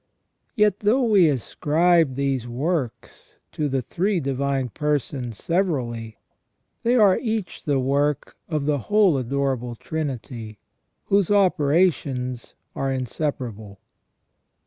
Yet, though we ascribe these works to the three Divine Persons severally, they are each the work of the whole adorable Trinity, whose operations are inseparable.